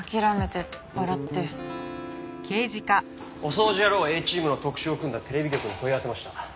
おそうじ野郎Ａチームの特集を組んだテレビ局に問い合わせました。